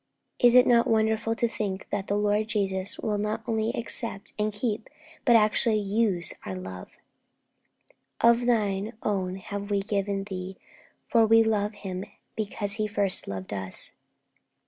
Is it not wonderful to think that the Lord Jesus will not only accept and keep, but actually use our love? 'Of Thine own have we given Thee,' for 'we love Him because He first loved us.'